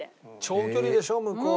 長距離でしょう？